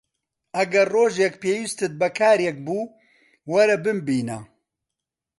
ئەگەر ڕۆژێک پێویستت بە کارێک بوو، وەرە بمبینە.